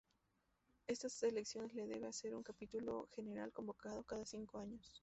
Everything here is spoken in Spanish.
Estas elecciones las debe hacer un Capítulo General, convocado cada cinco años.